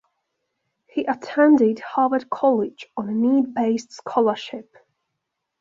He attended Harvard College on a need-based scholarship.